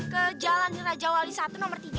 ke jalan di raja wali satu nomor tiga